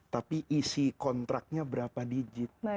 tapi isi kontraknya berapa digit